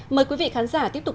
mời quý vị khán giả tiếp tục